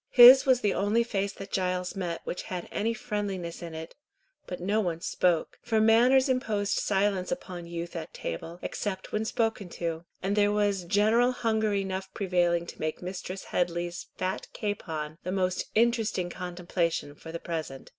His was the only face that Giles met which had any friendliness in it, but no one spoke, for manners imposed silence upon youth at table, except when spoken to; and there was general hunger enough prevailing to make Mistress Headley's fat capon the most interesting contemplation for the present.